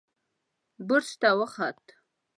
برج ته وخوت.